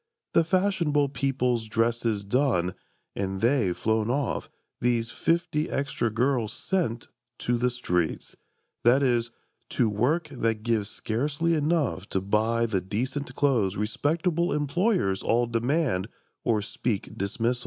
The fashionable people's dresses done, And they flown off, these fifty extra girls Sent—to the streets: that is, to work that gives Scarcely enough to buy the decent clothes Respectable employers all demand Or speak dismissal.